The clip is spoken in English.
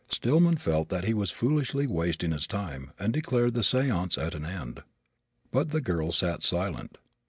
Stillman felt that he was foolishly wasting his time and declared the seance at an end. But the girl sat silent.